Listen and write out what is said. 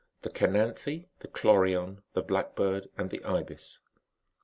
THE (ENANTHE, THE CHLOKION, THE BLACESIED, AND THE IBIS.